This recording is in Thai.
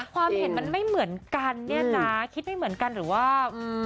ความเห็นมันไม่เหมือนกันเนี่ยนะคิดไม่เหมือนกันหรือว่า